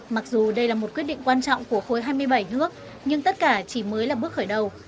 mặc dù đây là một quyết định quan trọng của khối hai mươi bảy nước nhưng tất cả chỉ mới là bước khởi đầu